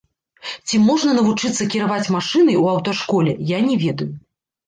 Ці можна навучыцца кіраваць машынай ў аўташколе, я не ведаю.